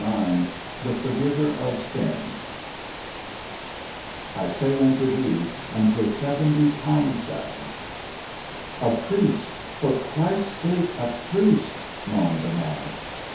IX The Forgiver of Sins "I SAY UNTO THEE UNTIL SEVENTY TIMES SEVEN" IX The Forgiver of Sins "A Priest, for Christ's sake, a priest," moaned the man.